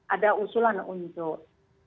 ada usulan untuk sudah kita kunci saja dulu satu satunya